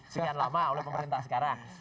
sekian lama oleh pemerintah sekarang